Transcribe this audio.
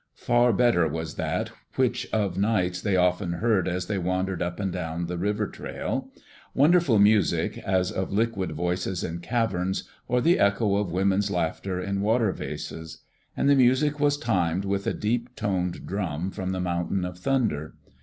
Far better was that which of nights they often heard as they wandered up and down the river trail. (6) Wonderful music, as of liquid voices in caverns, or the echo of women's laughter in water vases. And the music was timed with a deep toned drum from the Mountain of Thunder.